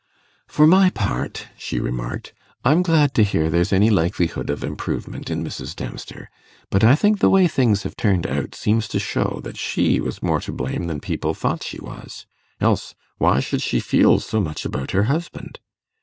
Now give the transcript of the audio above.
'For my part,' she remarked, 'I'm glad to hear there's any likelihood of improvement in Mrs. Dempster, but I think the way things have turned out seems to show that she was more to blame than people thought she was; else, why should she feel so much about her husband?